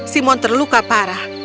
simon terluka parah